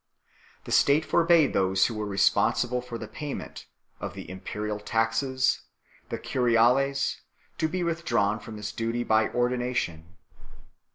The state forbade those who were responsible for the payment of the imperial taxes the curiales to be withdrawn from this duty by ordination 6